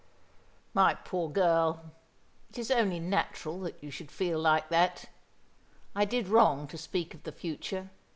"My poor girl. It is only natural that you should feel like that. I did wrong to speak of the future.